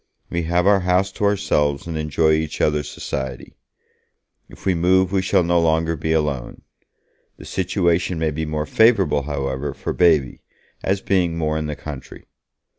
We have our house to ourselves and enjoy each other's society. If we move we shall no longer be alone. The situation may be more favourable, however, for Baby, as being more in the country.